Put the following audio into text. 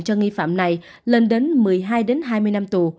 cho nghi phạm này lên đến một mươi hai hai mươi năm tù